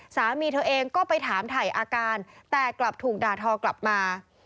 สามีเธอเองก็ไปถามถ่ายอาการแต่กลับถูกด่าทอกลับมา